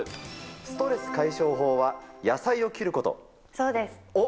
ストレス解消法は、野菜を切るこそうです！